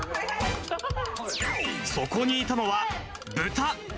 そこにいたのは、豚。